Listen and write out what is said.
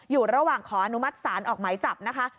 อยู่ระหว่างขออนุมัติศาลออกหมายจับนะคะ